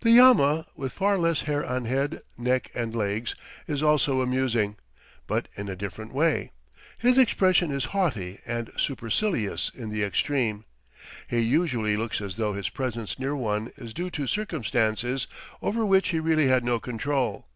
The llama, with far less hair on head, neck, and legs, is also amusing, but in a different way. His expression is haughty and supercilious in the extreme. He usually looks as though his presence near one is due to circumstances over which he really had no control.